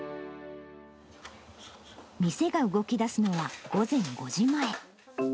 店が動きだすのは午前５時前。